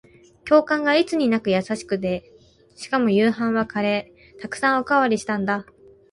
教官がいつになく優しくて、しかも夕飯はカレー。沢山おかわりしたんだ。